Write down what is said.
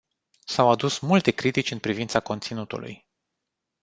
S-au adus multe critici în privința conținutului.